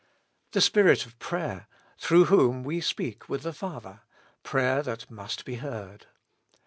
The Spirit of prayer, through whom we speak with the Father ; prayer that must be heard.